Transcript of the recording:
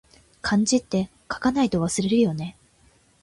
漢字って、書かないと忘れるよね